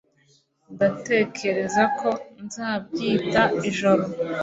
Ndatekereza ko nzabyita ijoro